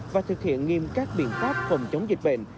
và thực hiện nghiêm các biện pháp phòng chống dịch bệnh